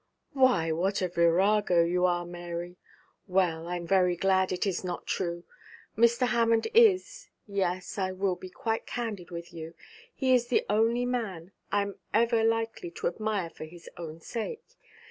'Why, what a virago you are, Mary. Well, I'm very glad it is not true. Mr. Hammond is yes, I will be quite candid with you he is the only man I am ever likely to admire for his own sake.